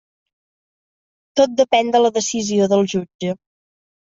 Tot depèn de la decisió del jutge.